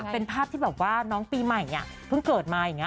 เป็นภาพที่แบบว่าน้องปีใหม่เพิ่งเกิดมาอย่างนี้